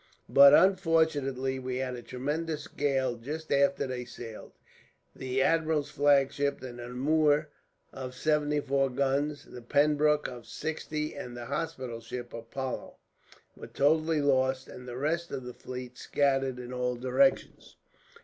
"But, unfortunately, we had a tremendous gale just after they sailed. The admiral's flagship, the Namur, of seventy four guns; the Pembroke, of sixty; and the hospital ship, Apollo, were totally lost; and the rest of the fleet scattered in all directions.